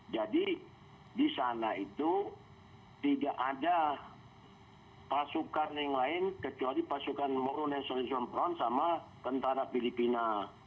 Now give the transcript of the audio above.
jadi di sana itu tidak ada pasukan yang lain kecuali pasukan moro national front sama tentara filipina